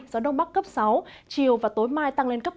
gió đông bắc cấp sáu chiều và tối mai tăng lên cấp sáu